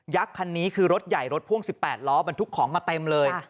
ยักษ์คันนี้คือรถใหญ่รถพ่วงสิบแปดล้อมันถูกของมาเต็มเลย